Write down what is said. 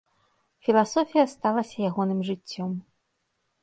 Філасофія сталася ягоным жыццём.